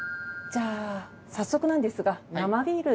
じゃあ早速なんですが。